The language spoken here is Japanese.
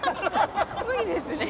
無理ですね。